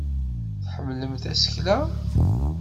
Tḥemmlem tasekla?